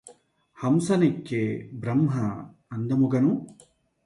హంసనెక్కె Brahma అందముగను